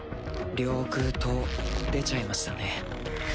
領空灯出ちゃいましたね。